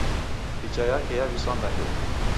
Picha yake yaviswa ngandenyi.